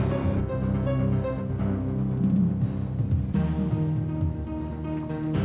kukukan seorang raga yang punya banyak kapal